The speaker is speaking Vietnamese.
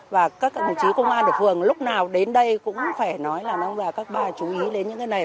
và các đồng chí công an ở phường lúc nào đến đây cũng phải nói là các bà chú ý đến những cái này